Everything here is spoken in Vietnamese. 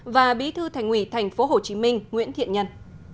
và bí thư thành ủy thành phố hồ chí minh nguyễn thiện nhân